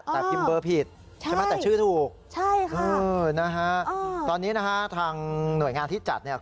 แต่พิมพ์เบอร์ผิดใช่ไหมแต่ชื่อถูกใช่ค่ะนะฮะตอนนี้นะฮะทางหน่วยงานที่จัดเนี่ย